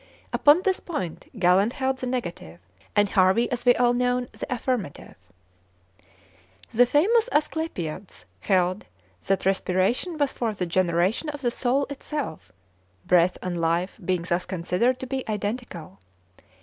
Upon this point Galen held the negative, and Harvey, as we all know, the affirmative. The famous Asclepiads held that respiration was for the generation of the soul itself, breath and life being thus considered to be identical.